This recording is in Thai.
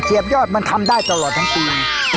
เฉียบยอดมันทำด้ายตลอดทั้งปี